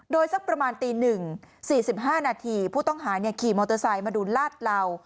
โดยสักประมาณตี๑๔๕นาทีผู้ต้องหาขี่มอเตอร์ไซค์มาดูลาดเหล่า